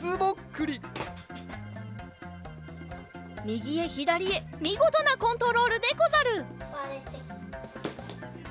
みぎへひだりへみごとなコントロールでござる！